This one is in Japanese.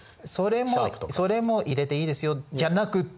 それも入れていいですよじゃなくて？